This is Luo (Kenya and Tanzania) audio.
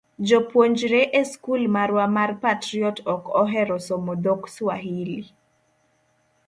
jopuonjre e skul marwa mar Patriot ok ohero somo dhok Swahili.